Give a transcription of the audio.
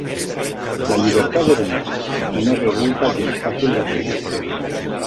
La llibertat és un hàbit, i no resulta gens fàcil d'adquirir.